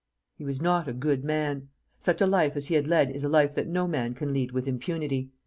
He was not a good man. Such a life as he had led is a life that no man can lead with impunity.